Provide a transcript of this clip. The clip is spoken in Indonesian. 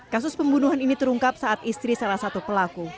kasus pembunuhan ini terungkap saat istri salah satu pelaku